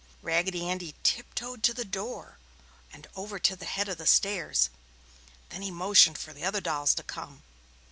Raggedy Andy tiptoed to the door and over to the head of the stairs. Then he motioned for the other dolls to come.